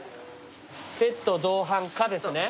ペット同伴可ですね。